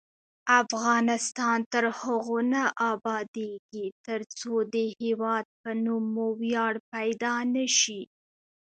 افغانستان تر هغو نه ابادیږي، ترڅو د هیواد په نوم مو ویاړ پیدا نشي.